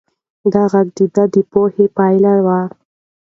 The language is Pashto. دا غږ د ده د پوهې پایله وه.